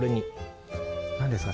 何ですか？